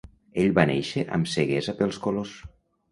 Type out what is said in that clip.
Ell va néixer amb ceguesa pels colors.